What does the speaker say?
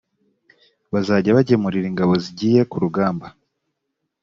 bazajya bagemurira ingabo zigiye kurugamba.